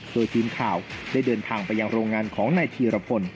โดยทีมข่าวได้เดินทางไปยังโรงงานของนายธีรพล